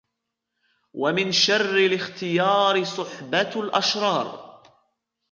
وَمِنْ شَرِّ الِاخْتِيَارِ صُحْبَةُ الْأَشْرَارِ